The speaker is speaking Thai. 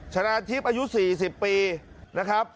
ชนะทิพย์อายุ๔๐ปีนะครับ